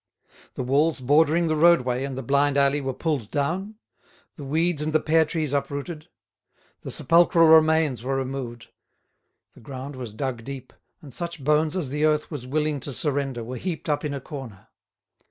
The walls bordering the roadway and the blind alley were pulled down; the weeds and the pear trees uprooted; the sepulchral remains were removed; the ground was dug deep, and such bones as the earth was willing to surrender were heaped up in a corner.